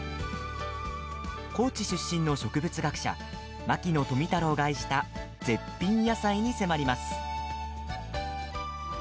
高知出身の植物学者牧野富太郎が愛した絶品野菜に迫ります。